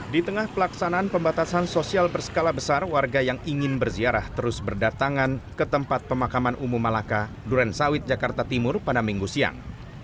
di tengah pelaksanaan pembatasan sosial berskala besar warga yang ingin berziarah terus berdatangan ke tempat pemakaman umum malaka duren sawit jakarta timur pada minggu siang